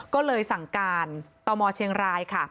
ก็เลยสั่งการตมเชียงรายค่ะ